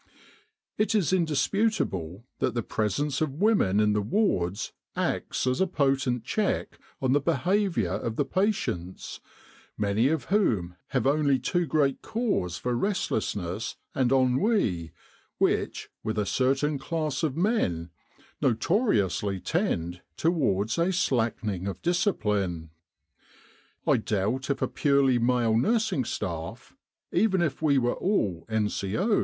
It is indisputable that the presence of women in the wards acts as a potent check on the behaviour of the patients, many of whom have only too great cause for restlessness and ennui, which, with a certain class of men, notoriously tend towards a slackening of discipline. I doubt if a purely male nursing staff, even if we were all N.C.O.'